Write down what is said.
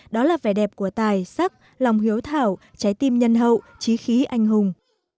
đó là vẻ đẹp của tài sắc lòng hiếu thảo trái tim nhân hậu trí khí anh hùng